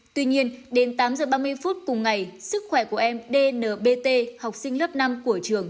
tuy nhiên đến tám giờ ba mươi phút cùng ngày sức khỏe của em dnbt học sinh lớp năm của trường